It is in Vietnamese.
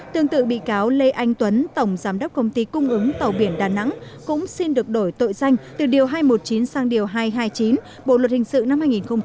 tương tự bị cáo lê anh tuấn tổng giám đốc công ty cung ứng tàu biển đà nẵng cũng xin được đổi tội danh từ điều hai trăm một mươi chín sang điều hai trăm hai mươi chín bộ luật hình sự năm hai nghìn một mươi năm